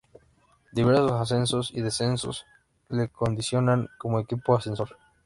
Diversos ascensos y descensos le condicionan como equipo ascensor.